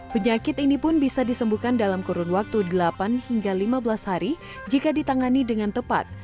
penyakit ini pun bisa disembuhkan dalam kurun waktu delapan hingga lima belas hari jika ditangani dengan tepat